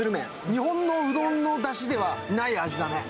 日本のうどんのだしではない味だね。